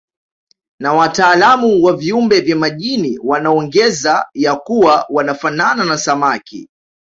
Na wataalamu wa viumbe vya majini wanaongeza ya kuwa wanafanana na samaki